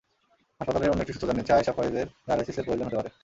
হাসপাতালের অন্য একটি সূত্র জানিয়েছে, আয়েশা ফয়েজের ডায়ালাইসিসের প্রয়োজন হতে পারে।